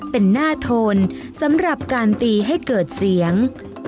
เป็นหน้าโทนสำหรับการตีให้เกิดเสียง